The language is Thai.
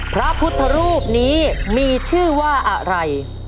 พระพุทธรูปนี้มีชื่อว่าอะไร